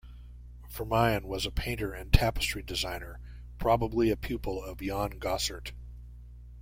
Vermeyen was a painter and tapestry designer, probably a pupil of Jan Gossaert.